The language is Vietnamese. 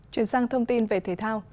chuyển sang thông tin về thể thao